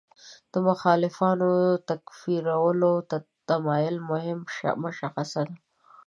د مخالفانو تکفیرولو ته تمایل مهم مشخصه ده.